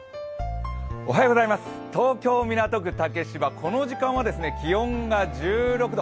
東京・港区竹芝、この時間は気温が１６度。